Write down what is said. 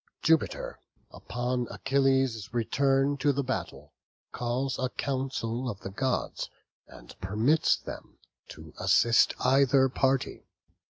Jupiter, upon Achilles' return to the battle, calls a council of the gods and permits them to assist either party.